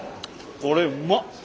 これうまっ！